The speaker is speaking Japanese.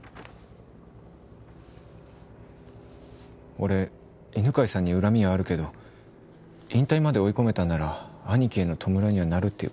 俺犬飼さんに恨みはあるけど引退まで追い込めたんなら兄貴への弔いにはなるっていうか。